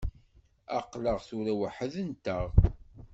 Aql-aɣ tura weḥd-nteɣ.